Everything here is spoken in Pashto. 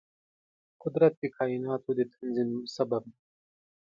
قدرت د کایناتو د تنظیم سبب دی.